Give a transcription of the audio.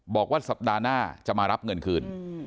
บอกว่าสัปดาห์หน้าจะมารับเงินคืน